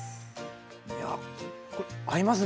いや合いますね。